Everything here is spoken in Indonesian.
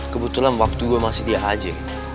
kebetulan waktu gue masih dia aja